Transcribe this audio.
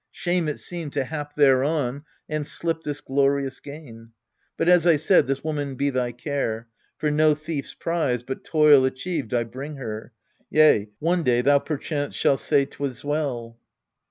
Shame it seemed To hap thereon, and slip this glorious gain. But, as I said, this woman be thy care : For no thief's prize, but toil achieved, I bring her. Yea, one day thou perchance shalt say 'twas well.